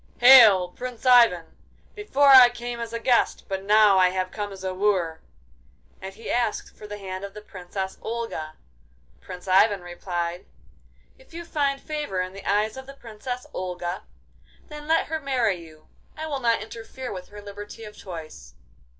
'Hail, Prince Ivan! Before I came as a guest, but now I have come as a wooer!' And he asked for the hand of the Princess Olga. Prince Ivan replied: 'If you find favour in the eyes of the Princess Olga, then let her marry you. I will not interfere with her liberty of choice.